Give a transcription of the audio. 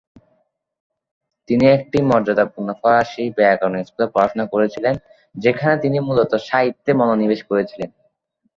তিনি একটি মর্যাদাপূর্ণ ফরাসি ব্যাকরণ স্কুলে পড়াশোনা করেছিলেন, যেখানে তিনি মূলত সাহিত্যে মনোনিবেশ করেছিলেন।